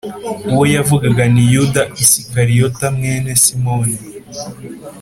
Uwo yavugaga ni yuda isikariyota mwene simoni